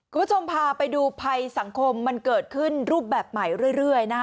คุณผู้ชมพาไปดูภัยสังคมมันเกิดขึ้นรูปแบบใหม่เรื่อยนะคะ